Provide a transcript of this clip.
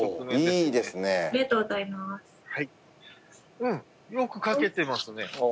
うんよく描けてますね。